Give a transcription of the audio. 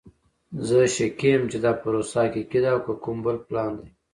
زه شکي یم چې دا پروسه حقیقی ده او که کوم بل پلان ده!